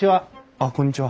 あっこんにちは。